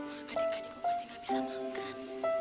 nah adik adikku pasti gak bisa makan